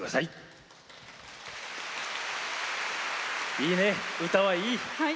いいね、歌はいい。